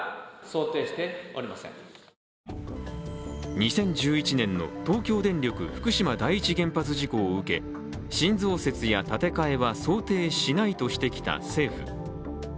２０１１年の東京電力福島第一原発事故を受け新増設や建て替えは想定しないとしてきた政府。